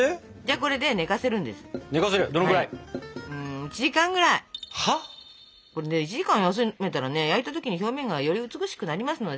これね１時間休めたらね焼いた時に表面がより美しくなりますので。